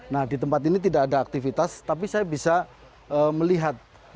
nah di tempat ini tidak ada aktivitas tapi saya bisa melihat